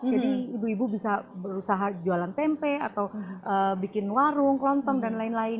jadi ibu ibu bisa berusaha jualan tempe atau bikin warung kelontong dan lain lain